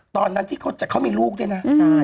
ตอนนั้นที่เขามีลูกด้วยนะ